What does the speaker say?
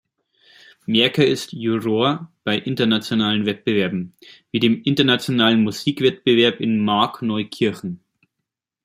Märker ist Juror bei internationalen Wettbewerben, wie dem Internationalen Musikwettbewerb in Markneukirchen.